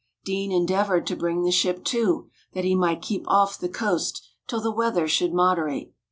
Deane endeavoured to bring the ship to, that he might keep off the coast till the weather should moderate.